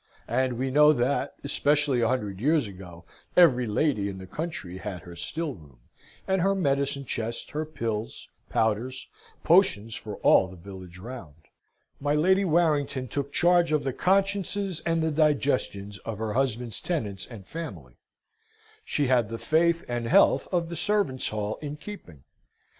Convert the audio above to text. And we know that, especially a hundred years ago, every lady in the country had her still room, and her medicine chest, her pills, powders, potions, for all the village round. My Lady Warrington took charge of the consciences and the digestions of her husband's tenants and family. She had the faith and health of the servants' hall in keeping.